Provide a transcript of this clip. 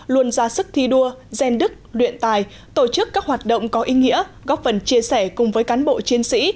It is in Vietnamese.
luôn ra sức thi đua ghen đức luyện tài tổ chức các hoạt động có ý nghĩa góp phần chia sẻ cùng với cán bộ chiến sĩ